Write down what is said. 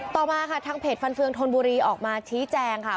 ต่อมาค่ะทางเพจฟันเฟืองธนบุรีออกมาชี้แจงค่ะ